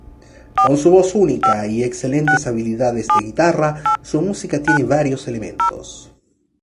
Con su voz única y excelentes habilidades de guitarra, su música tiene varios elementos.